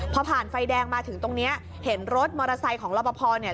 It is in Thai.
พอผ่านไฟแดงมาถึงตรงเนี้ยเห็นรถมอเตอร์ไซค์ของรอปภเนี่ย